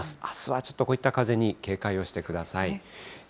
あすはちょっとこういった風に警戒をしてください。